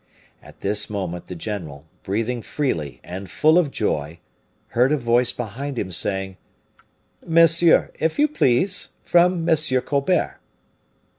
At this moment the general, breathing feely and full of joy, heard a voice behind him, saying, "Monsieur, if you please, from M. Colbert."